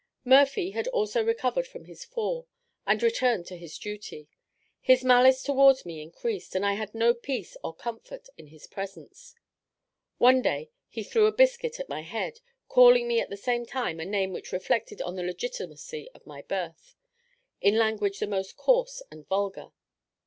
Murphy had also recovered from his fall, and returned to his duty; his malice towards me increased, and I had no peace or comfort in his presence. One day he threw a biscuit at my head, calling me at the same time a name which reflected on the legitimacy of my birth, in language the most coarse and vulgar.